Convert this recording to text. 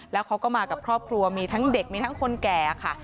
แล้วเขาก็มากับครอบครัวมีทั้งเด็กมีทั้งคนแก่ค่ะ